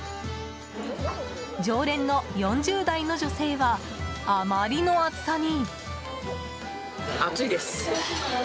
常連の４０代の女性はあまりの熱さに。